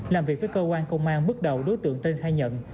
làm việc với cơ quan công an bước đầu đối tượng tên hay nhận